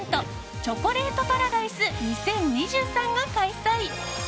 チョコレートパラダイス２０２３が開催。